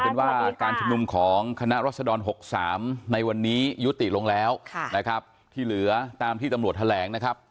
ยังจะอย่างนี้